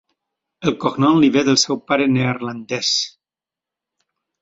El cognom li ve del seu pare neerlandès.